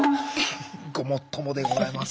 ごもっともでございます。